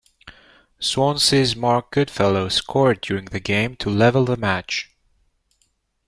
Swansea's Marc Goodfellow scored during the game to level the match.